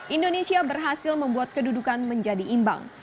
indonesia berhasil membuat kedudukan menjadi imbang